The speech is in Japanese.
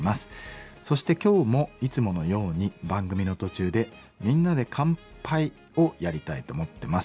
そして今日もいつものように番組の途中でみんなで乾杯をやりたいと思ってます。